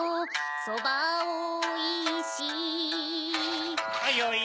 そばおいしい